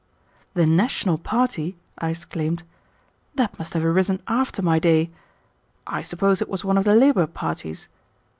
"The national party!" I exclaimed. "That must have arisen after my day. I suppose it was one of the labor parties."